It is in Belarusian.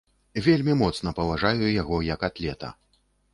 Вельмі моцна паважаю яго як атлета.